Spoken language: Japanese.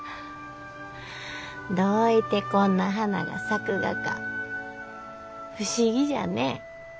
どういてこんな花が咲くがか不思議じゃね。